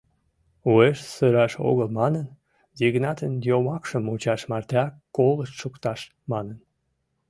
Уэш сыраш огыл манын, Йыгнатын йомакшым мучаш мартеак колышт шукташ манын.